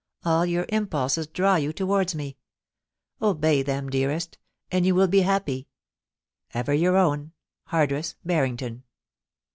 All your impulses draw you towards me. Obey them, dearest, and you will be happy. * Ever your own, * Hardress Barrington.